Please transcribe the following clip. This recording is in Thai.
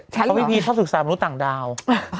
เพราะพี่เขาศึกษามนุษย์ต่างดาว